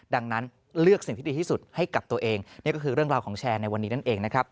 ดังนั้นเลือกสิ่งที่ดีที่สุดให้กับตัวเองนี่ก็คือเรื่องราวของแชร์ในวันนี้นั่นเองนะครับ